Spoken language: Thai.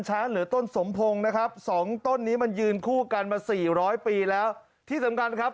ช้างหรือต้นสมโพงนะครับสองต้นนี้มันยืนคู่กันมา๔๐๐ปีแล้วที่ต่ำกันครับ